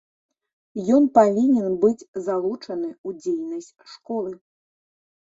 Ён павінен быць залучаны ў дзейнасць школы.